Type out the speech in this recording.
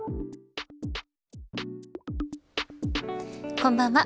こんばんは。